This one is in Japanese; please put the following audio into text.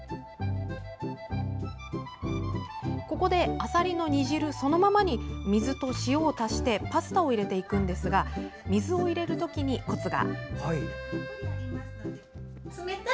ここで、あさりの煮汁そのままに水と塩を足してパスタを入れていくんですが水を入れるときにコツが。